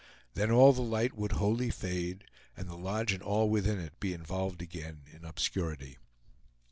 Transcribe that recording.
Then all the light would wholly fade, and the lodge and all within it be involved again in obscurity.